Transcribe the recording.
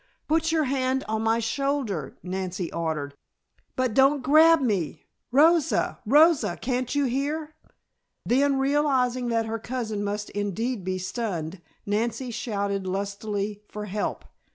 "Put your hand on my shoulder," Nancy ordered, "but don't grab me. Rosa! Rosa! Can't you hear?" Then, realizing that her cousin must indeed be stunned, Nancy shouted lustily for help.